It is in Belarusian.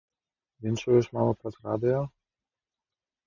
Віншуеш маму праз радыё?